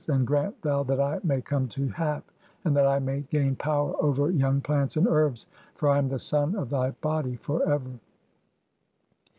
And grant 'thou that I may come to Hap, (i3) and that I may gain power 'over young plants and herbs, for I am the son of thy body 'for ever."